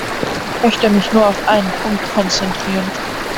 Ich möchte mich nur auf einen Punkt konzentrieren.